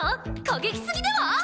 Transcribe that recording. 過激すぎでは！？